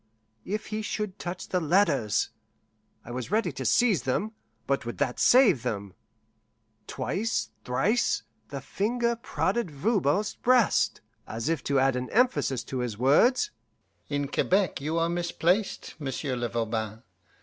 If he should touch the letters! I was ready to seize them but would that save them? Twice, thrice, the finger prodded Voban's breast, as if to add an emphasis to his words. "In Quebec you are misplaced, Monsieur le Voban.